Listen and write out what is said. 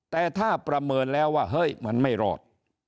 แต่ถ้าประเมินแล้วว่าเฮ้ยมันไม่รอด